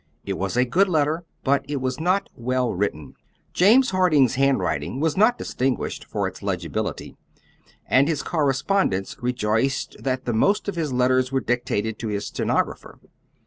It was a good letter but it was not well written. James Harding's handwriting was not distinguished for its legibility, and his correspondents rejoiced that the most of his letters were dictated to his stenographer.